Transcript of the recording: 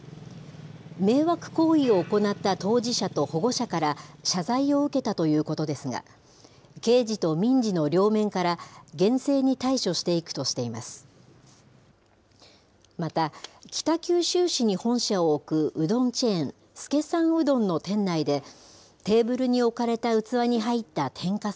迷惑行為を行った当事者と保護者から、謝罪を受けたということですが、刑事と民事の両面から厳正に対処していくとしています。